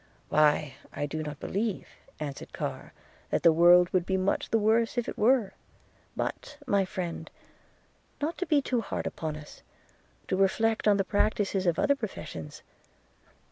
'Why, I do not believe,' answered Carr, 'that the world would be much the worse if it were; but, my friend, not to be too hard upon us, do reflect on the practices of other professions.